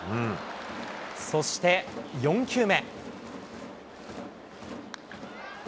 そして４球目。